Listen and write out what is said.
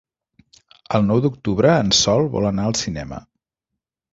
El nou d'octubre en Sol vol anar al cinema.